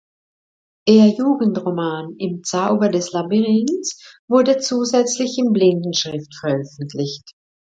Ihr Jugendroman "Im Zauber des Labyrinths" wurde zusätzlich in Blindenschrift veröffentlicht.